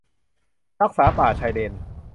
รักษาป่าชายเลน